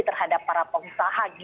terhadap para pengusaha